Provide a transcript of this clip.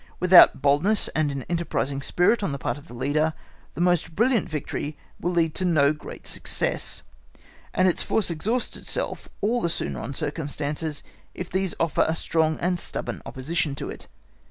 Without boldness and an enterprising spirit on the part of the leader, the most brilliant victory will lead to no great success, and its force exhausts itself all the sooner on circumstances, if these offer a strong and stubborn opposition to it.